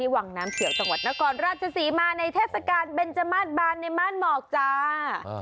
วังน้ำเขียวจังหวัดนครราชศรีมาในเทศกาลเบนจมาสบานในม่านหมอกจ้า